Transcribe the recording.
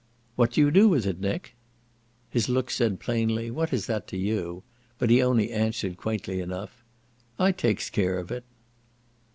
"What do you do with it. Nick?" His look said plainly, what is that to you? but he only answered, quaintly enough, "I takes care of it."